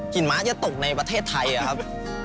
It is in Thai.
หินม้าจะตกในประเทศไทยเหรอครับ